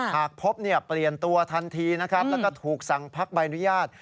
หากพบเปลี่ยนตัวทันทีและถูกสั่งพักใบอนุญาต